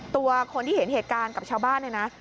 ตัวคนที่เห็นเหตุการณ์กับชาวบ้านเนี่ยนะ